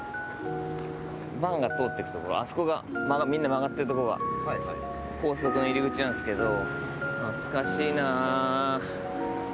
バンが通ってく所あそこがみんな曲がってるとこが高速の入り口なんですけど。